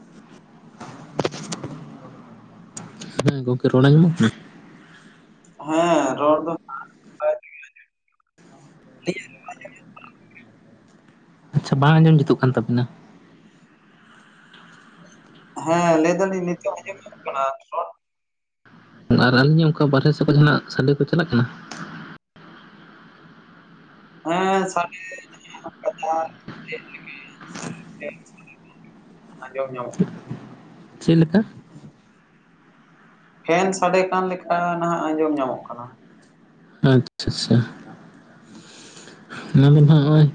[inaudible] ᱦᱮᱸ ᱜᱚᱝᱠᱮ ᱨᱚᱲ ᱟᱧᱹᱡᱚᱢᱚᱜ ᱠᱟᱱᱟ? ᱦᱮᱸ ᱨᱚᱲ ᱫᱚ ᱟᱪᱪᱷᱟ ᱵᱟᱝ ᱟᱸᱡᱚᱢ ᱡᱩᱛᱩᱜ ᱠᱟᱱ ᱛᱟᱵᱤᱱᱟ᱾ ᱦᱮᱸ ᱞᱟᱹᱭ ᱫᱟᱞᱤᱧ ᱱᱤᱛᱳᱜ ᱟᱸᱡᱚᱢ ᱧᱟᱢᱚᱜ ᱠᱟᱱᱟ ᱨᱚᱲ? ᱟᱨ ᱟᱹᱞᱤᱧᱟᱜ ᱚᱱᱠᱟ ᱵᱟᱨᱦᱮ ᱥᱮᱠᱚ ᱡᱟᱦᱟᱸᱱᱟᱜ ᱥᱟᱰᱮ ᱠᱚ ᱪᱟᱞᱟᱜ ᱠᱟᱱᱟ? ᱦᱮᱸ ᱥᱟᱰᱮ [inaudible] ᱟᱸᱡᱚᱢ ᱧᱟᱢᱚᱜ ᱪᱮᱫ ᱞᱮᱠᱟ? ᱯᱷᱮᱱ ᱥᱟᱰᱮ ᱠᱟᱱ ᱞᱮᱠᱟ ᱱᱟᱦᱟᱸᱜ ᱟᱸᱡᱚᱢ ᱧᱟᱢᱚᱜ ᱠᱟᱱᱟ᱾ ᱟᱪᱪᱷᱟ ᱪᱷᱟ᱾ ᱟᱨᱢᱤᱫᱷᱟᱣ ᱱᱚᱸᱜᱼᱚᱭ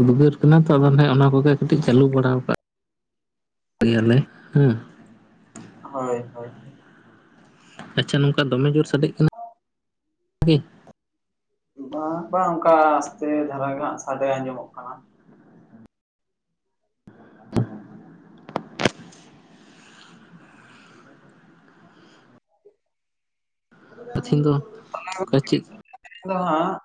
ᱩᱫᱜᱟᱹᱨ ᱠᱟᱱᱟ ᱛᱚ ᱟᱫᱚ ᱦᱮᱸ ᱚᱱᱟ ᱠᱚᱜᱮ ᱠᱟᱹᱴᱤᱡ ᱪᱟᱹᱞᱩ ᱵᱟᱲᱟ ᱠᱟᱜ ᱜᱮᱭᱟᱞᱮ ᱦᱩᱸ, ᱦᱳᱭ ᱦᱳᱭ᱾ ᱟᱪᱪᱷᱟ ᱱᱚᱝᱠᱟ ᱫᱚᱢᱮ ᱡᱳᱨ ᱥᱟᱰᱮᱜ ᱠᱟᱱᱟ ᱠᱤ? ᱵᱟᱝ ᱵᱟᱝ ᱚᱱᱠᱟ ᱟᱥᱛᱮ ᱫᱷᱟᱨᱟ ᱜᱮ ᱦᱟᱸᱜ ᱥᱟᱰᱮ ᱟᱸᱡᱚᱢᱚᱜ ᱠᱟᱱᱟ᱾ ᱛᱤᱦᱤᱧ ᱫᱚ [unintelligible] ᱚᱠᱟ ᱪᱮᱫ ᱟᱫᱚ ᱦᱟᱸᱜ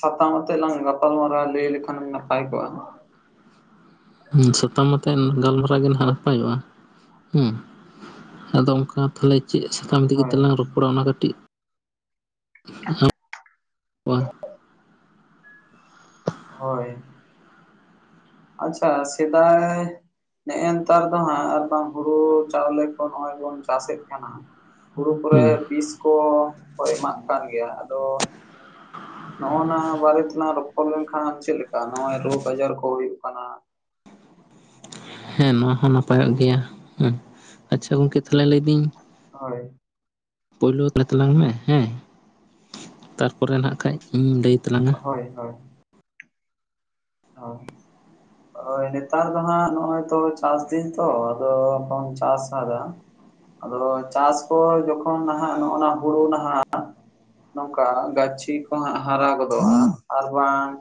ᱥᱟᱛᱟᱢ ᱟᱛᱮ ᱞᱟᱝ ᱜᱟᱯᱟᱞ ᱢᱟᱨᱟᱣᱟ ᱞᱟᱹᱭ ᱞᱮᱠᱷᱟᱱ ᱮᱢ ᱱᱟᱯᱟᱭ ᱠᱚᱜᱼᱟ᱾ ᱦᱩᱸ ᱥᱟᱛᱟᱢ ᱟᱛᱮᱫ ᱜᱟᱞᱢᱟᱨᱟᱶ ᱜᱮ ᱱᱟᱸᱜ ᱱᱟᱯᱟᱭᱚᱜᱼᱟ ᱦᱩᱸ᱾ ᱟᱫᱚ ᱚᱝᱠᱟ ᱛᱟᱦᱚᱞᱮ ᱪᱮᱫ ᱥᱟᱛᱟᱢ ᱤᱫᱤ ᱦᱳᱭ ᱠᱟᱛᱮᱜ ᱞᱟᱝ ᱨᱚᱯᱚᱲᱟ ᱚᱱᱟ ᱠᱟᱹᱴᱤᱡ [inaudible] ᱠᱚᱣᱟ᱾ ᱦᱳᱭ᱾ ᱟᱪᱪᱷᱟ ᱥᱮᱫᱟᱭ ᱱᱮᱜᱼᱮ ᱱᱮᱛᱟᱨ ᱫᱚ ᱦᱟᱸᱜ ᱟᱨ ᱵᱟᱝ ᱦᱩᱲᱩ ᱪᱟᱣᱞᱮ ᱠᱚ ᱱᱚᱸᱜᱼᱚᱭ ᱵᱚᱱ ᱪᱟᱥᱮᱜ ᱠᱟᱱᱟ ᱦᱟᱸᱜ, ᱦᱩᱲᱩ ᱠᱚᱨᱮ ᱦᱮᱸ ᱵᱤᱥ ᱠᱚ ᱮᱢᱟᱜ ᱠᱟᱱ ᱜᱮᱭᱟ ᱟᱫᱚ ᱱᱚᱸᱜᱼᱱᱟ ᱵᱟᱨᱮ ᱛᱮᱞᱟᱝ ᱨᱚᱯᱚᱲ ᱞᱮᱱᱠᱷᱟᱱ ᱪᱮᱫ ᱞᱮᱠᱟ ᱱᱚᱸᱜᱼᱚᱭ ᱨᱳᱜᱽ ᱟᱡᱟᱨ ᱠᱚ ᱦᱩᱭᱩᱜ ᱠᱟᱱᱟ, ᱦᱮᱸ ᱱᱚᱣᱟ ᱦᱚᱸ ᱱᱟᱯᱟᱭᱚᱜ ᱜᱮᱭᱟ, ᱦᱮᱸ ᱟᱪᱪᱷᱟ ᱜᱚᱝᱠᱮ ᱛᱟᱦᱚᱞᱮ ᱞᱟᱹᱭᱫᱟᱹᱧ ᱦᱳᱭ᱾ ᱯᱳᱭᱞᱳ ᱛᱟᱛ ᱞᱟᱝ ᱢᱮ ᱦᱮᱸ ᱛᱟᱨᱯᱚᱨᱮ ᱱᱟᱠᱷᱟᱡ ᱤᱧᱤᱧ ᱞᱟᱹᱭ ᱛᱟᱞᱟᱝᱟ᱾ ᱦᱳᱭ ᱦᱳᱭ᱾ [inaudible] ᱦᱳᱭ ᱱᱮᱛᱟᱨ ᱫᱚ ᱦᱟᱸᱜ ᱱᱚᱸᱜᱼᱚᱭ ᱛᱚ ᱪᱟᱥ ᱫᱤᱱ ᱛᱚ ᱟᱫᱚ ᱵᱟᱢ ᱪᱟᱥ ᱟᱫᱟ ᱟᱫᱚ ᱪᱟᱥ ᱠᱚ ᱡᱚᱠᱷᱚᱱ ᱱᱟᱦᱟᱸᱜ ᱱᱚᱜ ᱱᱟ ᱦᱳᱲᱳ ᱱᱟᱦᱟᱸᱜ ᱱᱚᱝᱠᱟ ᱜᱟᱹᱪᱷᱤ ᱠᱚ ᱦᱟᱸᱜ ᱦᱟᱨᱟ ᱜᱚᱫᱚᱜᱼᱟ ᱟᱨ ᱵᱟᱝ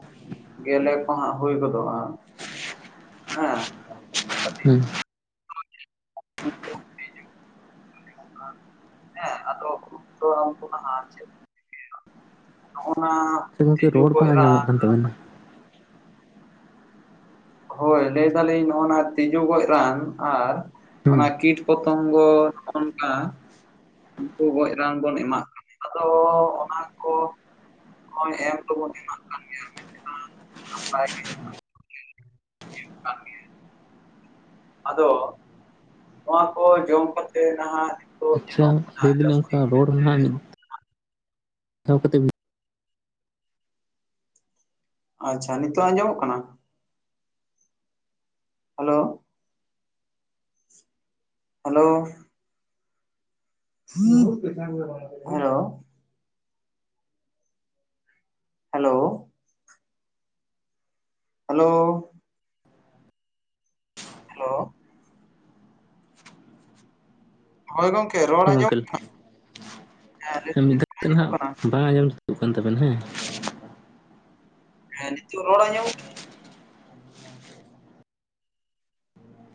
ᱜᱮᱞᱮ ᱠᱚ ᱦᱟᱸᱜ ᱦᱳᱭ ᱜᱚᱫᱚᱜᱼᱟ᱾ ᱦᱮᱸ? ᱠᱟᱹᱴᱤᱡ ᱦᱩᱸ᱾ ᱦᱮᱸ ᱟᱫᱚ [unintelligible] ᱦᱚᱜ-ᱚ ᱱᱟ ᱥᱮ ᱜᱚᱝᱠᱮ ᱨᱚᱲ ᱵᱟᱝ ᱟᱸᱡᱚᱢᱚᱜ ᱠᱟᱱ ᱛᱟᱵᱮᱱᱟ? ᱦᱳᱭ ᱞᱟᱹᱭ ᱫᱟᱞᱤᱧ ᱱᱚᱜ-ᱚ ᱱᱟ ᱛᱤᱡᱩ ᱜᱚᱡ ᱨᱟᱱ ᱟᱨ ᱦᱮᱸ ᱚᱱᱟ ᱠᱤᱴ ᱯᱚᱛᱚᱝᱜᱚ ᱚᱜᱱᱠᱟ᱾ ᱩᱱᱠᱩ ᱜᱚᱡ ᱨᱟᱱ ᱵᱚᱱ ᱮᱢᱟᱜ ᱠᱟᱱᱟ ᱟᱫᱚ ᱚᱱᱟ ᱠᱚ ᱦᱚᱜ-ᱚᱭ ᱮᱢ ᱛᱚᱵᱚᱱ ᱮᱢᱟᱜ ᱠᱟᱱ ᱜᱮᱭᱟ ᱢᱮᱱᱠᱷᱟᱱ ᱱᱟᱯᱟᱭ ᱜᱮ ᱠᱟᱱ ᱟᱫᱚ ᱱᱚᱣᱟ ᱠᱚ ᱡᱚᱢ ᱠᱟᱛᱮ ᱱᱟᱦᱟᱜ ᱟᱪᱪᱷᱟ, ᱧᱮᱞᱚᱜ ᱠᱟᱱᱟ ᱞᱟᱹᱭ ᱫᱟᱞᱤᱧ ᱡᱟᱹᱥᱛᱤ ᱚᱱᱠᱟ ᱨᱚᱲ ᱨᱮᱱᱟᱜ ᱢᱤᱫ ᱫᱷᱟᱣ ᱠᱟᱛᱮ ᱵᱤᱱ ᱟᱪᱪᱷᱟ, ᱱᱤᱛᱚᱜ ᱟᱡᱚᱢᱚᱜ ᱠᱟᱱᱟ? Hello? Hello? Hello. Hello. Hello. Hello. ᱦᱳᱭ ᱜᱚᱝᱠᱮ ᱨᱚᱲ ᱟᱸᱡᱚᱢᱚᱜ ᱜᱚᱝᱠᱮ ᱦᱮᱸ ᱱᱤᱛ ᱢᱤᱫ ᱫᱷᱟᱹᱣ ᱠᱟᱛᱮ ᱟᱸᱡᱚᱢᱚᱜ ᱱᱟᱦᱟᱜ ᱠᱟᱱᱟ? ᱵᱟᱝ ᱟᱸᱡᱚᱢ ᱡᱩᱛᱩᱜ ᱠᱟᱱ ᱛᱟᱵᱮᱱ ᱦᱮᱸ᱾ ᱦᱮᱸ ᱱᱤᱛᱚᱜ ᱨᱚᱲ ᱟᱡᱟᱜ ᱠᱟᱱᱟ?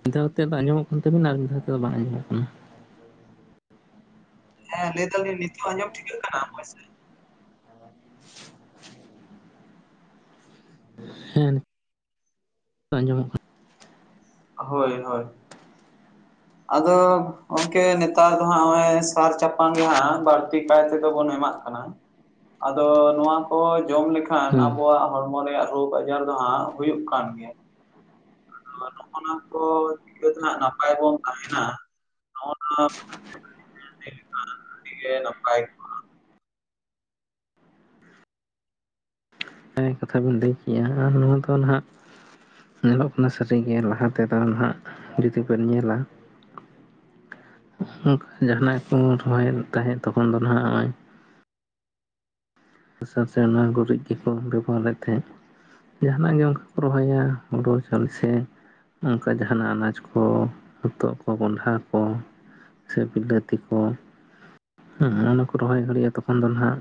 ᱢᱤᱫ ᱫᱷᱟᱣ ᱠᱟᱛᱮᱫ ᱫᱚ ᱟᱸᱡᱚᱢᱚᱜ ᱠᱟᱱ ᱛᱟᱵᱤᱱ ᱟᱨ ᱢᱤᱫ ᱫᱷᱟᱣ ᱠᱟᱛᱮᱫ ᱫᱚ ᱵᱟᱝ ᱟᱸᱡᱚᱢᱚᱜ ᱠᱟᱱᱟ᱾ ᱦᱮᱸ, ᱞᱟᱹᱭ ᱫᱟᱞᱤᱧ ᱱᱤᱛᱚᱜ ᱟᱸᱡᱚᱢ ᱴᱷᱤᱠᱟᱹᱜ ᱠᱟᱱᱟ ᱢᱚᱡᱛᱮ? ᱦᱮᱸ ᱟᱸᱡᱚᱢᱚᱜ ᱠᱟᱱᱟ᱾ ᱦᱳᱭ ᱦᱳᱭ᱾ ᱟᱫᱚ ᱜᱚᱝᱠᱮ ᱱᱮᱛᱟᱨ ᱫᱚ ᱦᱟᱸᱜ ᱦᱚᱜ-ᱚᱭ ᱥᱟᱨ ᱪᱟᱯᱟᱱ ᱜᱮ ᱦᱟᱸᱜ ᱵᱟᱲᱛᱤ ᱠᱟᱭ ᱛᱮᱫᱚ ᱵᱚᱱ ᱮᱢᱟᱜ ᱠᱟᱱᱟ᱾ ᱟᱫᱚ ᱱᱚᱣᱟ ᱠᱚ ᱡᱚᱢ ᱞᱮᱠᱷᱟᱱ ᱦᱮᱸ ᱟᱵᱚᱣᱟᱜ ᱦᱚᱲᱢᱚ ᱨᱮᱭᱟᱜ ᱨᱳᱜᱽ ᱟᱡᱟᱨ ᱫᱚ ᱦᱟᱸᱜ ᱦᱩᱭᱩᱜ ᱠᱟᱱ ᱜᱮᱭᱟ᱾ ᱟᱫᱚ ᱱᱚᱜ-ᱚ ᱱᱟ ᱠᱚ ᱤᱠᱟᱹ ᱫᱚ ᱦᱟᱸᱜ ᱱᱟᱯᱟᱭ ᱵᱚᱱ ᱛᱟᱦᱮᱱᱟ ᱱᱚᱜ-ᱚ ᱱᱚᱣᱟ ᱟᱹᱰᱤ ᱜᱮ ᱱᱟᱯᱟᱭ ᱚᱱᱟ ᱠᱟᱛᱷᱟ ᱵᱮᱱ ᱞᱟᱹᱭ ᱠᱮᱜ-ᱟ ᱟᱨ ᱱᱚᱣᱟ ᱫᱚ ᱱᱟᱦᱟᱜ ᱧᱮᱞᱚᱜ ᱠᱟᱱᱟ ᱥᱟᱹᱨᱤ ᱜᱮ ᱞᱟᱦᱟ ᱛᱮᱫᱚ ᱱᱟᱦᱟᱜ ᱡᱩᱫᱤᱵᱮᱱ ᱧᱮᱞᱟ ᱠᱟ ᱡᱟᱦᱟᱱᱟᱜ ᱠᱚ ᱨᱚᱦᱚᱭᱮᱫ ᱛᱟᱦᱮᱸᱫ ᱛᱚᱠᱷᱚᱱ ᱫᱚ ᱱᱟᱸᱜ ᱦᱚᱸᱜ-ᱚᱭ ᱦᱟᱥᱟ ᱥᱮ ᱚᱱᱟ ᱜᱩᱨᱤᱡ ᱜᱮᱠᱚ ᱵᱮᱵᱚᱦᱟᱨᱮᱫ ᱛᱟᱦᱮᱸᱜ᱾ ᱡᱟᱦᱟᱱᱟᱜ ᱜᱮ ᱚᱝᱠᱟ ᱠᱚ ᱨᱚᱦᱚᱭᱟ ᱦᱩᱲᱳ ᱪᱟᱞᱮ ᱥᱮ ᱚᱝᱠᱟ ᱡᱟᱦᱱᱟᱜ ᱟᱱᱟᱡᱽ ᱠᱚ ᱦᱚᱛᱚᱜ ᱠᱚ ᱠᱚᱦᱚᱸᱰᱟ ᱠᱚ᱾ ᱥᱮ ᱵᱤᱞᱟᱹᱛᱤ ᱠᱚ ᱦᱮᱸ ᱦᱚᱜ-ᱚᱱᱟ ᱠᱚ ᱨᱚᱦᱚᱭ ᱫᱟᱲᱮᱭᱟᱜ-ᱟ ᱛᱚᱠᱷᱚᱱ ᱫᱚ ᱱᱟᱜ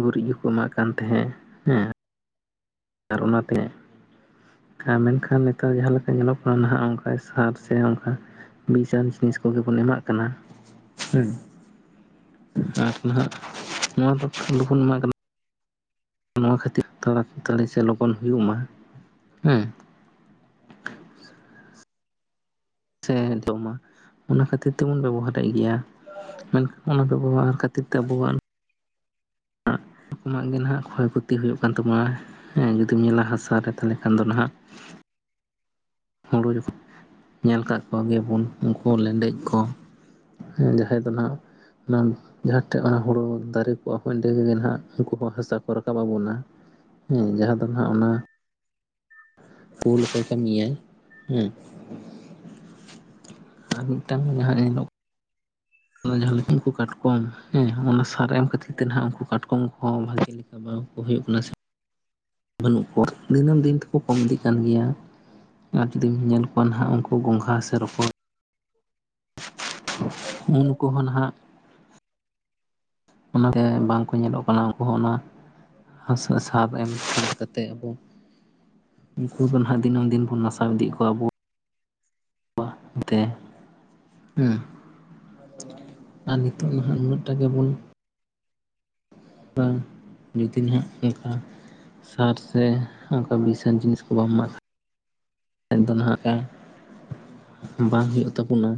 ᱜᱩᱨᱤᱡ ᱠᱚᱠᱚ ᱮᱢᱟᱜ ᱠᱟᱱ ᱛᱟᱦᱮᱸᱫ ᱦᱮᱸ᱾ ᱟᱨ ᱚᱱᱟᱛᱮ ᱟᱨ ᱢᱮᱱᱠᱷᱟᱱ ᱱᱮᱛᱟᱨ ᱡᱟᱦᱟᱸ ᱞᱮᱠᱟ ᱧᱮᱞᱚᱜ ᱠᱟᱱᱟ ᱱᱟᱦᱟᱜ ᱚᱱᱠᱟ ᱥᱟᱨ ᱥᱮ ᱚᱱᱠᱟ ᱵᱤᱥᱟᱱ ᱡᱤᱱᱤᱥ ᱠᱚᱜᱮ ᱵᱚᱱ ᱮᱢᱟᱜ ᱠᱟᱱᱟ ᱦᱩᱸ᱾ ᱟᱨ ᱱᱟᱦᱟᱜ ᱱᱚᱣᱟ ᱫᱚ ᱞᱚᱵᱚᱱ ᱮᱢᱟ ᱠᱟᱱᱟ᱾ ᱱᱚᱣᱟ ᱠᱷᱟᱹᱛᱤᱨ ᱛᱟᱲᱟ ᱛᱟᱲᱤ ᱥᱮ ᱞᱚᱜᱚᱱ ᱦᱩᱭᱩᱜ ᱢᱟ ᱦᱮᱸ᱾ ᱥᱮ ᱫᱚᱢᱟ ᱚᱱᱟ ᱠᱷᱟᱹᱛᱤᱨ ᱛᱮᱵᱚᱱ ᱵᱮᱵᱚᱦᱟᱨᱮᱜ ᱜᱮᱭᱟ᱾ ᱢᱮᱱᱠᱷᱟᱱ ᱚᱱᱟ ᱵᱮᱵᱚᱦᱟᱨ ᱠᱷᱟᱹᱛᱤᱨ ᱛᱮ ᱟᱵᱚᱣᱟᱱ ᱨᱚᱠᱚᱢᱟᱜ ᱜᱮ ᱱᱟᱦᱟᱜ ᱠᱷᱚᱭ ᱠᱷᱚᱛᱤ ᱦᱩᱭᱩᱜ ᱠᱟᱱ ᱛᱟᱵᱚᱱᱟ ᱦᱮᱸ ᱡᱩᱫᱤᱢ ᱧᱮᱞᱟ ᱦᱟᱥᱟ ᱨᱮ ᱛᱟᱦᱚᱞᱮ ᱠᱷᱟᱱ ᱫᱚ ᱱᱟᱦᱟᱜ ᱦᱩᱲᱩ ᱡᱚᱠᱷᱚᱱ ᱧᱮᱞ ᱠᱟᱜ ᱠᱚ ᱜᱮᱵᱚᱱ ᱩᱱᱠᱩ ᱞᱮᱸᱰᱮᱡ ᱠᱚ᱾ ᱡᱟᱦᱟᱸᱭ ᱫᱚ ᱦᱟᱸᱜ ᱱᱟ ᱡᱟᱦᱟᱸ ᱴᱷᱮᱡ ᱚᱱᱟ ᱦᱩᱲᱩ ᱫᱟᱨᱮ ᱠᱚᱜᱼᱟ ᱮᱸᱰᱮᱜᱮ ᱦᱟᱸᱜ ᱩᱱᱠᱩ ᱦᱚᱸ ᱦᱟᱥᱟ ᱠᱚ ᱨᱟᱠᱟᱵ ᱵᱚᱱᱟ᱾ ᱦᱩᱸ ᱡᱟᱦᱟᱸ ᱫᱚ ᱱᱟᱦᱟᱜ ᱚᱱᱟ, ᱠᱩᱞ ᱟᱠᱚ ᱠᱟᱱ ᱠᱚᱭᱟᱭ᱾ ᱦᱩᱸ᱾ ᱟᱨ ᱢᱤᱫᱴᱟᱝ ᱡᱟᱦᱟᱸ ᱮᱱ ᱦᱤᱞᱚᱜ ᱧᱮᱞᱚᱜ ᱡᱟᱦᱟᱸ ᱞᱮᱠᱟ ᱩᱱᱠᱩ ᱠᱟᱴᱠᱚᱢ ᱦᱮᱸ ᱚᱱᱟ ᱥᱟᱨ ᱮᱢ ᱠᱷᱟᱹᱛᱤᱨ ᱛᱮ ᱱᱟᱟᱜ ᱩᱱᱠᱩ ᱠᱟᱴᱠᱚᱢ ᱠᱚᱦᱚᱸ ᱵᱷᱟᱜᱤ ᱞᱤᱠ ᱪᱟᱵᱟᱣ ᱠᱚ ᱦᱩᱭᱩᱜ ᱠᱟᱱᱟ ᱥᱮ᱾ ᱵᱟᱹᱱᱩᱜ ᱠᱚᱣᱟ, ᱫᱤᱱᱟᱹᱢ ᱫᱤᱱ ᱛᱮᱠᱚ ᱠᱚᱢ ᱤᱫᱤᱜ ᱠᱟᱱ ᱜᱮᱭᱟ᱾ ᱟᱨ ᱡᱩᱫᱤᱢ ᱧᱮᱞ ᱠᱚᱣᱟ ᱱᱟᱦᱟᱜ ᱩᱱᱠᱩ ᱜᱚᱝᱜᱷᱟ ᱥᱮ ᱨᱚᱠᱚᱡ [unintelligible] ᱩᱱᱠᱩ ᱦᱚᱸ ᱱᱟᱦᱟᱜ ᱚᱱᱟᱛᱮ ᱵᱟᱝ ᱠᱚ ᱧᱮᱞᱚᱜ ᱠᱟᱱᱟ ᱩᱱᱠᱩ ᱦᱚᱸ ᱚᱱᱟ ᱦᱟᱥᱟ ᱥᱟᱵ ᱮᱢ ᱠᱟᱛᱮᱜ ᱟᱫᱚ ᱩᱱᱠᱩ ᱫᱚ ᱱᱟᱦᱟᱜ ᱫᱤᱱᱟᱹᱢ ᱫᱤᱱ ᱵᱚᱱ ᱱᱟᱥᱟᱣ ᱤᱫᱤᱭᱮᱫᱞᱜ ᱠᱚᱭᱟ ᱟᱵᱚ ᱛᱮ ᱦᱩᱸ ᱟᱨ ᱱᱤᱛᱚᱜ ᱱᱟᱦᱟᱜ ᱩᱱᱟᱹᱜᱴᱟ ᱜᱮᱵᱚᱱ ᱵᱟᱝ ᱡᱩᱫᱤ ᱱᱟᱦᱟᱜ ᱚᱝᱠᱟ ᱥᱟᱨ ᱥᱮ ᱚᱱᱠᱟ ᱵᱤᱥᱟᱱ ᱡᱤᱱᱤᱥ ᱠᱚ ᱵᱟᱢ ᱢᱟᱜ ᱠᱷᱟ ᱫᱚ ᱱᱟᱦᱟᱜ ᱚᱠᱟ ᱵᱟᱝ ᱦᱳᱭᱳᱜ ᱛᱟᱵᱚᱱᱟ᱾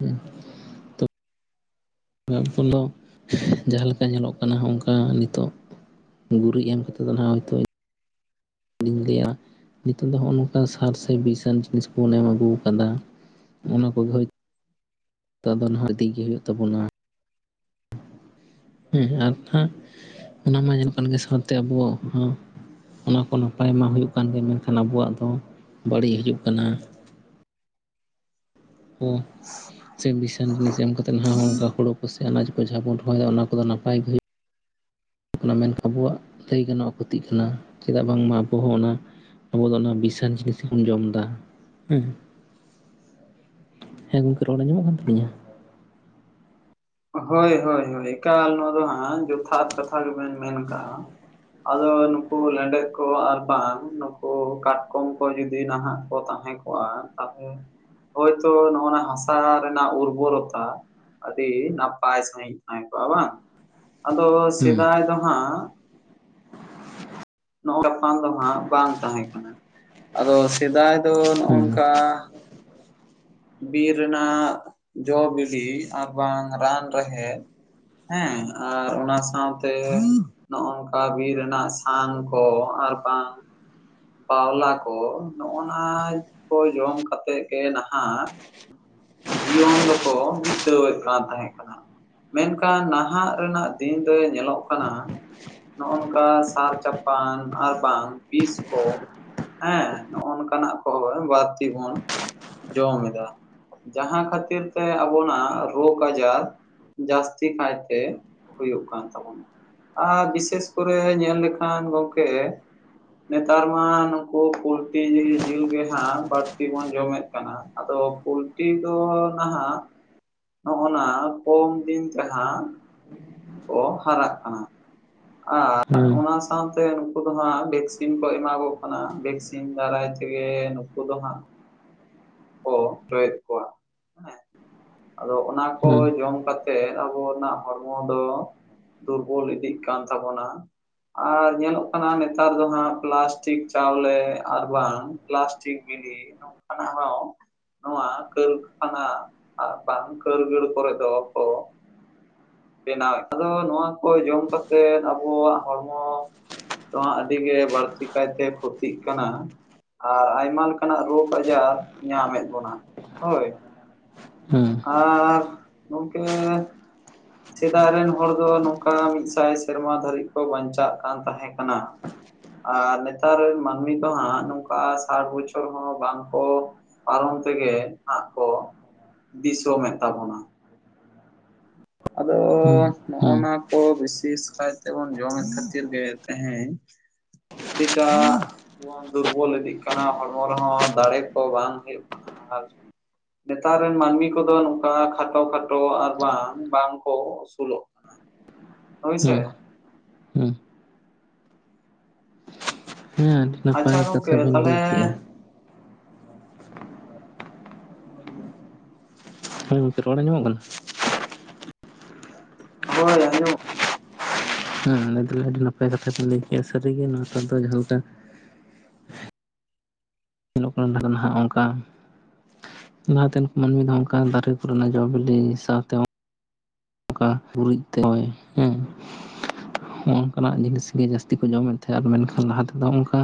ᱦᱩᱸ᱾ [inaudible] ᱫᱚ ᱡᱟᱦᱟ ᱞᱮᱠᱟ ᱧᱮᱞᱚᱜ ᱠᱟᱱᱟ ᱚᱝᱠᱟ ᱱᱤᱛᱚᱜ ᱜᱩᱨᱤᱡ ᱮᱢ ᱠᱟᱛᱮᱫ ᱫᱚ ᱱᱟᱦᱟᱜ ᱦᱚᱭᱛᱚ ᱤᱧ ᱞᱟᱹᱭᱟ ᱱᱤᱛᱚᱜ ᱫᱚ ᱱᱚᱜᱼᱚᱭ ᱱᱚᱝᱠᱟ ᱥᱟᱨ ᱥᱮ ᱵᱤᱥᱟᱱ ᱡᱤᱱᱤᱥ ᱵᱚᱱ ᱮᱢ ᱟᱹᱜᱩ ᱠᱟᱫᱟ ᱾ ᱚᱱᱟ ᱠᱚᱜᱮ ᱦᱚᱭ ᱛᱚ ᱫᱚ ᱱᱟᱦᱟᱜ ᱤᱫᱤᱜᱮ ᱦᱳᱭᱳᱜ ᱛᱟᱵᱚᱱᱟ ᱾ ᱦᱮᱸ ᱟᱨ ᱱᱟᱦᱟᱜ ᱚᱱᱟ ᱢᱟ ᱧᱮᱞ ᱠᱟᱱ ᱜᱮ ᱥᱟᱶᱛᱮ ᱟᱵᱚ ᱦᱚᱸ ᱚᱱᱟ ᱠᱚ ᱱᱟᱯᱟᱭ ᱢᱟ ᱦᱳᱭᱳᱜ ᱠᱟᱱ ᱜᱮ ᱢᱮᱱᱠᱷᱟᱱ ᱟᱵᱚᱣᱟᱜ ᱫᱚ ᱵᱟᱹᱲᱤᱡ ᱦᱤᱡᱩᱜ ᱠᱟᱱᱟ ᱾ ᱦᱮᱸ ᱪᱮ ᱵᱤᱥᱚᱢ ᱡᱤᱱᱤᱥ ᱮᱢ ᱠᱟᱛᱮ ᱱᱟ ᱦᱚᱸ ᱚᱱᱠᱟ ᱦᱳᱲᱳ ᱠᱚ ᱟᱱᱟᱡᱽ ᱠᱚ ᱡᱟᱦᱟᱸ ᱵᱚᱱ ᱨᱦᱚᱭᱫᱟ ᱚᱱᱟ ᱠᱚᱫᱚ ᱱᱟᱯᱟᱭ ᱜᱮᱜ ᱦᱳᱭᱳᱜ ᱚᱱᱟ ᱢᱮᱱ ᱟᱵᱚᱣᱟᱜ ᱞᱟᱹᱭ ᱜᱟᱱᱚᱜᱼᱟ ᱠᱷᱚᱛᱤᱜ ᱠᱟᱱᱟ ᱪᱮᱫᱟᱜ ᱵᱟᱝᱢᱟ ᱟᱵᱚ ᱦᱚᱸ ᱚᱱᱟ ᱟᱵᱚ ᱫᱚ ᱚᱱᱟ ᱵᱤᱥᱟᱧ ᱡᱤᱱᱤᱥ ᱜᱮᱵᱚᱱ ᱡᱚᱢ ᱫᱟ ᱦᱩᱸ ᱾ ᱜᱚᱝᱠᱮ ᱨᱚᱲ ᱟᱸᱡᱚᱢᱜ ᱠᱟᱱ ᱛᱟᱹᱞᱤᱧᱟ? ᱦᱳᱭ ᱦᱳᱭ ᱦᱳᱭ ᱮᱠᱟᱞ ᱱᱚᱣᱟ ᱫᱚ ᱦᱟᱸᱜ ᱡᱚᱛᱷᱟᱛ ᱠᱟᱛᱷᱟ ᱜᱮᱵᱮᱱ ᱢᱮᱱ ᱠᱟᱜᱼᱟ ᱾ ᱟᱫᱚ ᱱᱩᱠᱩ ᱞᱮᱸᱰᱮᱫ ᱠᱚ ᱟᱨ ᱵᱟᱝ ᱱᱩᱠᱩ ᱠᱟᱴᱠᱚᱢ ᱠᱚ ᱡᱩᱫᱤ ᱱᱟᱦᱟᱜ ᱠᱚ ᱛᱟᱦᱮᱸ ᱠᱚᱜᱟ ᱛᱟᱦᱮ ᱦᱳᱭᱛᱚ ᱱᱚᱜᱼᱱᱟ ᱦᱟᱥᱟ ᱨᱮᱱᱟᱜ ᱩᱨᱵᱚᱨᱚᱛᱟ ᱟᱹᱰᱤ ᱱᱟᱯᱟᱭ ᱥᱟᱺᱦᱤᱡ ᱛᱟᱦᱮᱸ ᱠᱚᱜᱼᱟ ᱵᱟᱝ ᱟᱫᱚ ᱦᱮᱸ ᱥᱮᱫᱟᱭ ᱫᱚ ᱦᱟᱸᱜ ᱱᱚᱜ ᱧᱟᱯᱟᱱ ᱫᱚ ᱦᱟᱸᱜ ᱵᱟᱝ ᱛᱟᱦᱮᱸ ᱠᱟᱱᱟ᱾ ᱟᱫᱚ ᱥᱮᱫᱟᱭ ᱫᱚ ᱱᱚᱜ ᱦᱮᱸ ᱱᱚᱝᱠᱟ ᱵᱤᱨ ᱨᱮᱱᱟᱜ ᱡᱚ-ᱵᱤᱞᱤ ᱟᱨ ᱵᱟᱝ ᱨᱟᱱ ᱨᱮᱦᱮᱜ ᱦᱮᱸᱻ ᱟᱨ ᱚᱱᱟ ᱥᱟᱶᱛᱮ ᱱᱚᱜ ᱱᱚᱝᱠᱟ ᱵᱤᱨ ᱨᱮᱱᱟᱜ ᱥᱟᱝ ᱠᱚ ᱟᱨ ᱵᱟᱝ ᱵᱟᱣᱞᱟ ᱠᱚ ᱱᱚᱜᱼᱱᱟ ᱠᱚ ᱡᱚᱢ ᱠᱟᱛᱮᱜ ᱜᱮ ᱱᱟᱦᱟᱜ ᱡᱤᱭᱚᱱ ᱫᱚᱠᱚ ᱵᱤᱛᱟᱹᱣᱮᱜ ᱠᱟᱱ ᱛᱟᱦᱮᱸ ᱠᱟᱱᱟ᱾ ᱢᱮᱱᱠᱷᱟᱱ ᱱᱟᱦᱟᱜ ᱨᱮᱱᱟᱜ ᱫᱤᱱ ᱨᱮ ᱧᱮᱞᱚᱜ ᱠᱟᱱᱟ᱾ ᱱᱚᱜᱼᱱᱚᱝᱠᱟ ᱥᱟᱨ ᱪᱟᱯᱟᱱ ᱟᱨ ᱵᱟᱝ ᱵᱤᱥ ᱠᱚ ᱦᱮᱸ ᱱᱚᱜ ᱱᱚᱝᱠᱟᱱᱟᱜ ᱠᱷᱚᱵᱚᱨ ᱵᱟᱹᱲᱛᱤ ᱵᱚᱱ ᱡᱚᱢ ᱫᱟ᱾ ᱡᱟᱦᱟᱸ ᱠᱷᱟᱹᱛᱤᱨ ᱛᱮ ᱟᱵᱚᱱᱟᱜ ᱨᱳᱜᱽ ᱟᱡᱟᱨ ᱡᱟᱹᱥᱛᱤ ᱠᱟᱭᱛᱮ ᱦᱩᱭᱩᱜ ᱠᱟᱱ ᱛᱟᱵᱚᱱᱟ ᱟᱨ ᱵᱤᱥᱮᱥ ᱠᱚᱨᱮ ᱧᱮᱞ ᱞᱮᱠᱷᱟᱱ ᱜᱚᱝᱠᱮ, ᱱᱮᱛᱟᱨ ᱢᱟ ᱱᱩᱠᱩ ᱯᱳᱞᱴᱤ ᱡᱤᱞ-ᱡᱤᱞ ᱜᱮ ᱦᱟᱸᱜ ᱵᱟᱹᱲᱛᱤ ᱵᱚᱱ ᱡᱚᱢᱮᱫ ᱠᱟᱱᱟ᱾ ᱟᱫᱚ ᱯᱩᱞ ᱴᱤ ᱫᱚ ᱱᱟᱦᱟᱜ, ᱱᱚᱜ-ᱱᱟ ᱠᱚᱢ ᱫᱤᱱ ᱛᱮᱦᱟᱸᱜ ᱠᱚᱻ ᱦᱟᱨᱟᱜ ᱠᱟᱱᱟ᱾ ᱟᱨ ᱦᱮᱸ ᱚᱱᱟ ᱥᱟᱶᱛᱮ ᱱᱩᱠᱩ ᱫᱚ ᱦᱟᱸᱜ ᱵᱷᱮᱠᱥᱤᱱ ᱠᱚ ᱮᱢᱟ ᱠᱚ ᱠᱟᱱᱟ ᱵᱷᱮᱠᱥᱤᱱ᱾ ᱛᱤᱱ ᱫᱟᱨᱟᱭ ᱛᱮᱜᱮ ᱱᱩᱠᱩ ᱫᱚ ᱦᱟᱸᱜ, ᱠᱚ ᱨᱚᱭᱮᱫ ᱠᱚᱣᱟ, [unintelligible] ᱦᱮᱸ ᱟᱫᱚ ᱚᱱᱟ ᱠᱚ ᱦᱮᱸ ᱡᱚᱢ ᱠᱟᱛᱮ ᱛᱮ ᱟᱵᱚᱱᱟᱜ ᱦᱚᱲᱢᱚ ᱫᱚ ᱫᱩᱨᱵᱚᱞ ᱤᱫᱤᱜ ᱠᱟᱱ ᱛᱟᱵᱚᱱᱟ᱾ ᱟᱨ ᱧᱮᱞᱚᱜ ᱠᱟᱱᱟ ᱱᱮᱛᱟᱨ ᱫᱚ ᱦᱟᱸᱜ ᱯᱞᱟᱥᱴᱤᱠ ᱪᱟᱣᱞᱮ ᱟᱨ ᱵᱟᱝ ᱯᱞᱟᱥᱴᱤᱠ ᱵᱤᱞᱤ ᱱᱚᱸᱠᱟᱱᱟ ᱦᱚᱸ, ᱱᱚᱣᱟ ᱠᱟᱹᱨᱠᱷᱟᱱᱟ ᱟᱨ ᱵᱟᱝ ᱠᱟᱹᱨᱜᱟᱹᱲ ᱠᱚᱨᱮ ᱫᱚ ᱠᱚ, ᱵᱮᱱᱟᱣᱮᱫ, ᱟᱫᱚ ᱱᱚᱣᱟ ᱠᱚ ᱡᱚᱢ ᱠᱟᱛᱮ ᱮᱫ ᱟᱵᱚᱣᱟᱜ ᱦᱚᱲᱢᱚ ᱱᱚᱣᱟ ᱟᱰᱤ ᱜᱮ ᱵᱟᱲᱛᱤ ᱠᱟᱭ ᱛᱮ ᱠᱷᱚᱛᱤᱜ ᱠᱟᱱᱟ ᱾ ᱟᱨ ᱟᱭᱢᱟ ᱞᱮᱠᱟᱱᱟᱜ ᱨᱳᱜᱽ ᱟᱡᱟᱨ ᱧᱟᱢ ᱮᱫ ᱵᱚᱱᱟ ᱦᱳᱭ ᱾ ᱦᱮᱸ ᱟᱨᱻ ᱜᱚᱢᱠᱮᱻ, ᱥᱮᱫᱟᱭ ᱨᱮᱱ ᱦᱚᱲ ᱫᱚ ᱱᱚᱝᱠᱟ ᱢᱤᱫ ᱥᱟᱭ ᱥᱮᱨᱢᱟ ᱫᱷᱟᱨᱤᱡ ᱠᱚ ᱵᱟᱧᱪᱟᱜ ᱠᱟᱱ ᱛᱟᱦᱮᱸ ᱠᱟᱱᱟ ᱾ ᱟᱨ ᱱᱮᱛᱟᱨ ᱨᱮᱱ ᱢᱟᱱᱢᱤ ᱫᱚ ᱦᱟᱸᱜ ᱱᱚᱝᱠᱟ ᱥᱟᱴ ᱵᱚᱪᱷᱚᱨ ᱦᱚᱸ ᱵᱟᱝ ᱠᱚ ᱯᱟᱨᱚᱢ ᱛᱮᱜᱮ ᱦᱟᱸᱜ ᱠᱚ ᱫᱤᱥᱚᱢᱮᱫ ᱛᱟᱵᱚᱱᱟ ᱾ ᱟᱫᱚᱻ ᱦᱮᱸ ᱱᱚᱜ ᱦᱮᱸ ᱱᱚᱣᱟ ᱠᱚ ᱵᱤᱥᱮᱥ ᱠᱟᱭ ᱛᱮ ᱵᱚᱱ ᱡᱚᱢᱮᱫ ᱠᱷᱟᱛᱤᱨ ᱜᱮ ᱛᱮᱦᱮᱧ, [unintelligible] ᱟᱰᱤ ᱴᱟᱜᱻ ᱵᱚᱱ ᱫᱩᱨᱵᱚᱞ ᱤᱫᱤᱜ ᱠᱟᱱᱟ ᱦᱚᱲᱢᱚ ᱨᱮᱦᱚ ᱫᱟᱲᱮ ᱠᱚ ᱵᱟᱝ ᱦᱩᱭᱩᱜ ᱠᱟᱱᱟ, ᱟᱨ ᱱᱮᱛᱟᱨ ᱨᱮᱱ ᱢᱟᱱᱢᱤ ᱠᱚ ᱫᱚ ᱱᱚᱝᱠᱟ ᱠᱷᱟᱴᱚ ᱠᱷᱟᱴᱚ, ᱟᱨ ᱵᱟᱝ ᱵᱟᱝ ᱠᱚ ᱩᱥᱩᱞᱚᱜ ᱠᱟᱱᱟ ᱦᱳᱭ ᱥᱮ ᱦᱮᱸ ᱾ ᱦᱮᱸ ᱟᱰᱤ ᱟᱪᱪᱷᱟ ᱱᱟᱯᱟᱭ ᱠᱟᱛᱷᱟ ᱜᱚᱝᱠᱮ ᱵᱤᱱ ᱞᱟᱹᱭ ᱛᱟᱦᱚᱞᱮ ᱠᱮᱫᱼᱟ ᱾ ᱦᱳᱭ ᱜᱚᱢᱠᱮ ᱨᱚᱲ ᱧᱟᱢᱚᱜ ᱠᱟᱱᱟ ᱾ ᱦᱳᱭ ᱟᱡᱚᱢᱚᱜ ᱦᱮᱸ [unintelligible] ᱟᱰᱤ ᱱᱟᱯᱟᱭ ᱠᱟᱛᱷᱟ ᱵᱮᱱ ᱞᱟᱹᱭ ᱠᱮᱫᱮᱜᱼᱟ ᱥᱟᱹᱨᱤ ᱜᱮ ᱱᱮᱛᱟᱨ ᱫᱚ ᱡᱟᱦᱟ ᱞᱮᱠᱟ, ᱧᱮᱞᱚᱜ ᱠᱟᱱᱟ ᱱᱟᱦᱟᱜ ᱚᱝᱠᱟ, - ᱞᱟᱦᱟᱛᱮᱱ ᱢᱟᱱᱢᱤ ᱫᱚ ᱚᱱᱠᱟ ᱫᱟᱨᱮ ᱠᱚ ᱨᱮᱱᱟᱜ ᱡᱚ ᱵᱤᱞᱤ, ᱥᱟᱶᱛᱮ ᱚᱱᱠᱟ ᱜᱩᱨᱤᱡᱽ ᱛᱮ ᱦᱚᱭ ᱦᱮᱸ ᱾ [inaudible] ᱱᱚᱝᱠᱟᱱᱟᱜ ᱡᱤᱱᱤᱥ ᱜᱮ ᱡᱟᱥᱛᱤ ᱠᱚ ᱡᱚᱢᱮᱫ ᱛᱟᱦᱮᱫ ᱟᱫ ᱢᱮᱱᱠᱷᱟᱱ, ᱞᱟᱦᱟ ᱛᱮ ᱫᱚ ᱚᱱᱠᱟ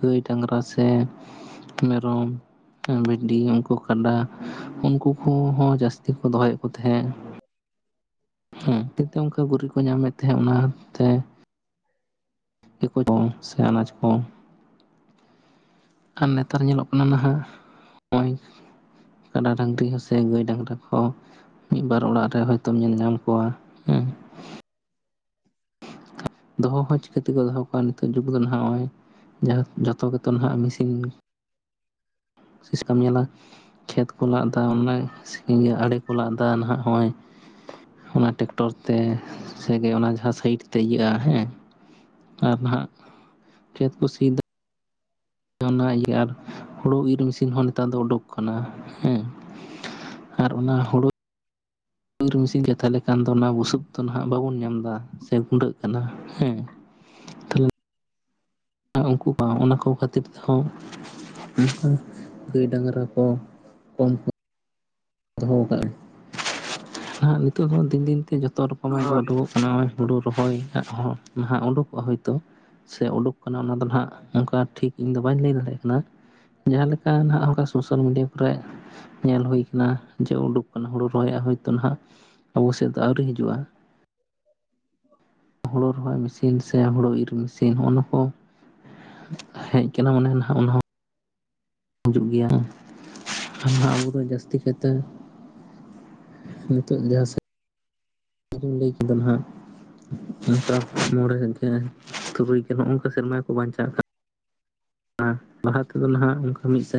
ᱜᱟᱹᱭ ᱰᱟᱝᱨᱟ ᱥᱮ, ᱢᱮᱨᱚᱢ ᱵᱷᱤᱰᱤ ᱩᱱᱠᱩ ᱠᱟᱰᱟ ᱩᱱᱠᱩ ᱠᱚ ᱦᱚ ᱡᱟᱥᱛᱤ ᱠᱚ ᱫᱚᱦᱚᱭᱮᱫ ᱠᱚ ᱛᱟᱦᱮᱸᱫ ᱾ [inaudible] ᱦᱮᱸ ᱦᱚᱛᱮ ᱚᱱᱠᱟ ᱜᱩᱨᱤ ᱠᱚ ᱧᱟᱢᱮᱫ ᱛᱟᱦᱮᱸ ᱚᱱᱟ ᱛᱮ [unintelligible] ᱠᱚ ᱥᱮ ᱟᱱᱟᱡᱽ ᱠᱚ ᱠᱷᱟᱱ ᱱᱮᱛᱟᱨ ᱧᱮᱞᱚᱜ ᱠᱟᱱᱟ ᱱᱟᱦᱟ, ᱟ. ᱧ ᱠᱟᱰᱟ ᱰᱟᱝᱨᱤ ᱦᱚᱸ ᱥᱮ ᱜᱟᱹᱭ ᱰᱟᱝᱨᱟ ᱠᱚ ᱢᱤᱫ ᱵᱟᱨ ᱚᱲᱟᱜ ᱨᱮ ᱦᱚᱭᱛᱚᱢ ᱧᱮᱞ ᱧᱟᱢ ᱠᱚᱣᱟ ᱦᱮᱸ--‍᱾ ᱫᱚᱦᱚ ᱦᱚᱸ ᱪᱤᱠᱟᱹᱛᱮ ᱠᱚ ᱫᱚᱦᱚ ᱠᱚᱣᱟ ᱱᱤᱛᱚᱜ ᱡᱩᱜᱽ ᱫᱚ ᱱᱟᱜᱼᱚᱭ ᱾ ᱡᱚᱛᱚ ᱠᱚ ᱛᱮ ᱱᱟᱦᱟᱜ ᱢᱮᱥᱤᱱ [unintelligible] ᱧᱮᱞᱟ ᱾ ᱠᱷᱮᱛ ᱠᱚ ᱞᱟᱫ ᱮᱫᱟ [inaudible] ᱟᱲᱮ ᱠᱚ ᱞᱟᱫ ᱮᱫᱟ ᱱᱟᱦᱟᱜ ᱱᱚᱜᱼᱚᱭ ᱾ ᱚᱱᱟ ᱴᱮᱠᱴᱚᱨ ᱛᱮ ᱥᱮ ᱜᱮ ᱚᱱᱟ ᱡᱟᱦᱟᱸ ᱥᱟᱭᱤᱰ ᱛᱮ ᱤᱭᱟᱹᱜᱼᱟ ᱾ ᱦᱮ ᱟᱨ ᱱᱟᱦᱟᱜ ᱠᱷᱮᱛ ᱠᱚ ᱥᱤᱫᱟ [inaudible] ᱤᱭᱟᱹ ᱟᱨ ᱦᱩᱲᱩ ᱤᱨ ᱢᱮᱥᱤᱱ ᱦᱚᱸ ᱱᱮᱛᱟᱨ ᱫᱚ ᱳᱰᱳᱠ ᱟᱠᱟᱱᱟ ᱦᱮᱸ ᱾ ᱟᱨ ᱚᱱᱟ ᱦᱳᱲᱳ ᱤᱨ ᱢᱤᱥᱤᱱ [inaudible] ᱞᱮᱠᱷᱟᱱ ᱫᱚ ᱱᱟᱣᱟ ᱵᱩᱥᱩᱵ ᱫᱚ ᱱᱟᱦᱟᱜ ᱵᱟᱵᱚᱱ ᱧᱟᱢ ᱮᱫᱟ ᱥᱮ ᱜᱩᱰᱟᱹᱜ ᱠᱟᱱᱟ ᱦᱮᱸ ᱛᱟᱦᱚᱞᱮ ᱩᱱᱠᱩ [unintelligible] ᱚᱱᱟ ᱠᱚ ᱠᱷᱟᱛᱤᱨ ᱛᱮᱦᱚᱸ [unintelligible] ᱜᱟᱹᱭ ᱰᱟᱝᱨᱟ ᱠᱚ ᱠᱚᱢ ᱠᱚ ᱫᱚᱦᱚ ᱠᱟᱜ-ᱟ ᱾ ᱦᱟᱜ ᱱᱤᱛᱚᱜ ᱦᱚᱸ ᱫᱤᱱ ᱫᱤᱱ ᱛᱮ ᱡᱚᱛᱚ ᱨᱚᱠᱚᱢᱟᱜ ᱜᱮ ᱦᱳᱭ ᱳᱰᱳᱠᱚᱜ ᱱᱚᱜ-ᱚᱭ ᱦᱳᱲᱳ ᱨᱚᱦᱚᱭᱟᱜ ᱦᱚᱸ ᱱᱟᱦᱟᱜ ᱳᱰᱳᱠᱚᱜᱼᱟ ᱦᱚᱭᱛᱚ ᱾ ᱥᱮ ᱳᱰᱳᱠ ᱠᱟᱱᱟ ᱚᱱᱟ ᱫᱚ ᱱᱟᱸᱜ ᱚᱱᱠᱟ ᱴᱷᱤᱠ ᱤᱧ ᱫᱚ ᱵᱟᱹᱧ ᱞᱟᱹᱭ ᱫᱟᱲᱮᱭᱟᱜ ᱠᱟᱱᱟ ᱾ ᱡᱟᱦᱟ ᱞᱮᱠᱟ ᱱᱟᱜ ᱚᱱᱠᱟ ᱥᱳᱥᱟᱞ ᱢᱤᱰᱤᱭᱟ ᱠᱚᱨᱮ ᱧᱮᱞ ᱦᱳᱭ ᱠᱟᱱᱟ ᱡᱮ ᱳᱰᱳᱠ ᱠᱟᱱᱟ ᱦᱳᱲᱳ ᱨᱚᱦᱚᱭᱟᱜ ᱦᱚᱭᱛᱚ ᱱᱟᱦᱟᱜ ᱟᱵᱚ ᱥᱮᱫ ᱫᱚ ᱟᱹᱣᱨᱤ ᱦᱤᱡᱩᱜᱼᱟ ᱾ [inaudible] ᱦᱳᱲᱳ ᱨᱚᱦᱚᱭ ᱢᱮᱥᱤᱱ ᱥᱮ ᱦᱳᱲᱳ ᱤᱨ ᱢᱮᱥᱤᱱ ᱦᱚᱜᱼᱱᱚᱣᱟ ᱠᱚ ᱦᱮᱡ ᱠᱟᱱᱟ ᱢᱟᱱᱮ [unintelligible] ᱦᱤᱡᱩᱜ ᱜᱮᱭᱟ ᱦᱟᱜ ᱟᱵᱚ ᱫᱚ ᱡᱟᱥᱛᱤ ᱠᱟᱭ ᱛᱮ ᱱᱤᱛᱚ ᱡᱟᱦᱟᱸ ᱥᱮᱫ ᱵᱟᱞᱤᱧ ᱞᱟᱹᱭ ᱠᱮᱫᱚ ᱱᱟᱦᱟᱜ ᱚᱱᱠᱟ ᱢᱚᱬᱮ ᱜᱮᱞ ᱛᱩᱨᱩᱭ ᱜᱮᱞ ᱦᱚᱝᱠᱟ ᱥᱮᱨᱢᱟ ᱜᱮᱠᱚ ᱵᱟᱧᱪᱟᱜ ᱠᱟᱱᱟ᱾ ᱞᱟᱦᱟ ᱛᱮᱫᱚ ᱱᱟᱦᱟᱜ ᱚᱱᱠᱟ ᱢᱤᱫ ᱥᱟᱭ